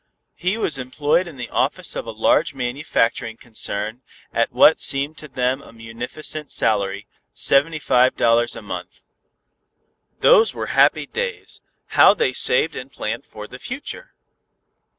He was employed in the office of a large manufacturing concern, at what seemed to them a munificent salary, seventy five dollars a month. Those were happy days. How they saved and planned for the future!